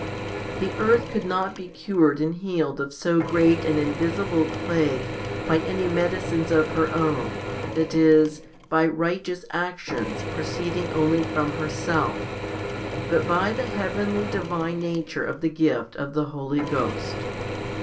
The earth could not be cured and healed of so great an invisible plague by any medicines of her own, that is, by righteous actions proceeding only from herself; but by the heavenly divine nature of the gift of the Holy Ghost.